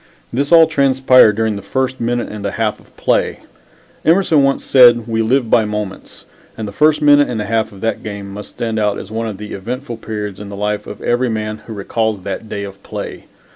This all transpired during the first minute and a half of play. Emerson once said, "We live by moments," and the first minute and a half of that game must stand out as one of the eventful periods in the life of every man who recalls that day of play.